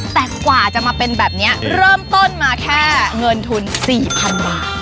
แต่กว่าจะมาเป็นแบบนี้เริ่มต้นมาแค่เงินทุน๔๐๐๐บาท